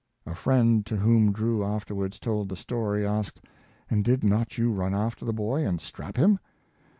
" A friend, to whom Drew afterwards, told the story, asked, "And did not you run after the boy and strap him?